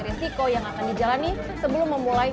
risiko yang akan dijalani sebelum memulai